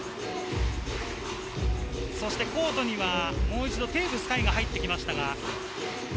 コートにはもう一度、テーブス海が入ってきました。